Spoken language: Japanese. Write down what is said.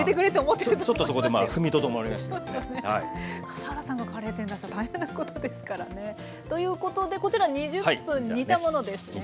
笠原さんがカレー店だったら大変なことですからね。ということでこちら２０分煮たものですね。